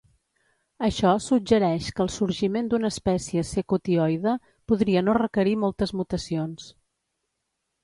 Això suggereix que el sorgiment d'una espècie secotioide podria no requerir moltes mutacions.